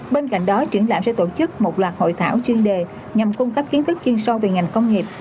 bên cạnh đó triển lãm sẽ tổ chức một loạt hội thảo chuyên đề nhằm cung cấp kiến thức chuyên sâu về ngành công nghiệp